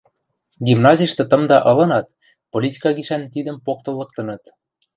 Гимназиштӹ тымда ылынат, политика гишӓн тидӹм поктыл лыктыныт.